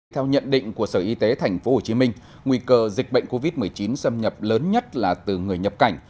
theo nhận định của sở y tế tp hcm nguy cơ dịch bệnh covid một mươi chín xâm nhập lớn nhất là từ người nhập cảnh